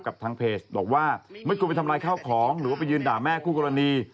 กับทางเพจบอกว่าไม่ควรไปทำลายข้าวของหรือว่าไปยืนด่าแม่คู่กรณี